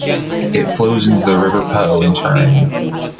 It flows into the river Po in Turin.